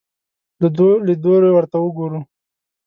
له دوو لیدلوریو ورته وګورو